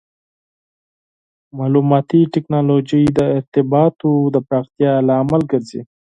مالوماتي ټکنالوژي د ارتباطاتو د پراختیا لامل ګرځي.